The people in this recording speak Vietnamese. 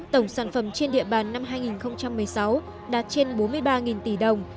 tổng sản phẩm trên địa bàn năm hai nghìn một mươi sáu đạt trên bốn mươi ba tỷ đồng